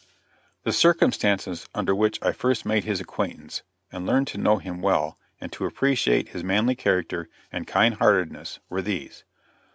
The circumstances under which I first made his acquaintance and learned to know him well and to appreciate his manly character and kind heartedness, were these.